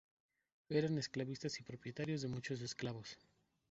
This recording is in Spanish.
Eran esclavistas y propietarios de muchos esclavos.